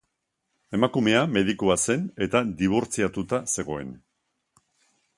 Emakumea medikua zen eta dibortziatuta zegoen.